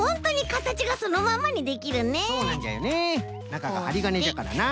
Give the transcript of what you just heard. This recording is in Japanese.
なかがはりがねじゃからな。